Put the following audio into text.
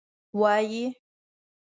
وایي.